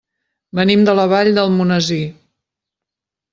Venim de la Vall d'Almonesir.